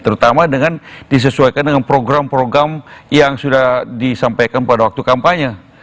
terutama dengan disesuaikan dengan program program yang sudah disampaikan pada waktu kampanye